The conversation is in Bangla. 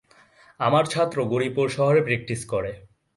আমার ছাত্র গৌরীপুর শহরে প্র্যাকটিস করে।